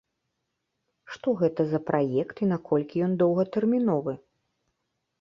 Што гэта за праект і наколькі ён доўгатэрміновы?